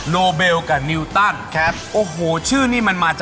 ตอนนี้นี่คุณมีรูป